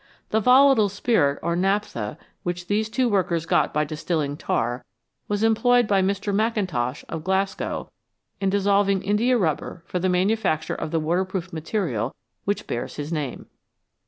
The volatile spirit or "naphtha," which these two workers got by distilling tar, was employed by Mr. Mackintosh of Glasgow in dissolving indiarubber for the manufacture of the waterproof material which bears his name.